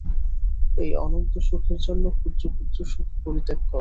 এই অনন্ত সুখের জন্য ক্ষুদ্র ক্ষুদ্র সুখ পরিত্যাগ কর।